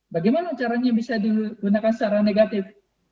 bagaimana caranya bisa digunakan secara negatif